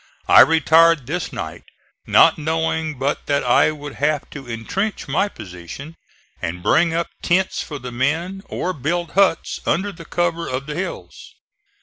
I retired this night not knowing but that I would have to intrench my position, and bring up tents for the men or build huts under the cover of the hills.